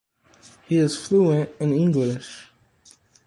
He is fluent in English.